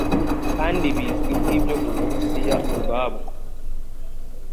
Kandi bizwi nkibyo muburusiya ubwabwo